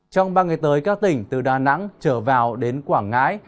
trong ba ngày tới các tỉnh từ đà nẵng trở vào đến quảng ngãi